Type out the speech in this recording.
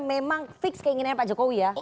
memang fix keinginannya pak jokowi ya